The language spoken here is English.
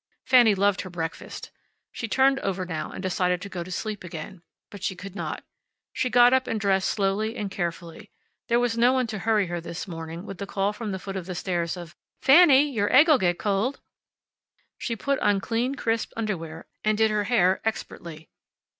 Fanny loved her breakfast. She turned over now, and decided to go to sleep again. But she could not. She got up and dressed slowly and carefully. There was no one to hurry her this morning with the call from the foot of the stairs of, "Fanny! Your egg'll get cold!" She put on clean, crisp underwear, and did her hair expertly.